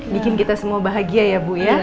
bikin kita semua bahagia ya bu ya